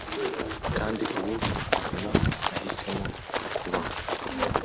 kandi ubu buzima nahisemo kubaho.